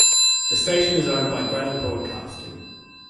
The station is owned by Granite Broadcasting.